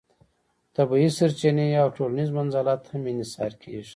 طبیعي سرچینې او ټولنیز منزلت هم انحصار کیږي.